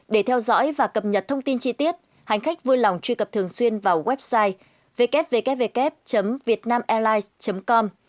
để theo dõi và cập nhật thông tin chi tiết hành khách vui lòng truy cập thường xuyên vào website www vietnamalice com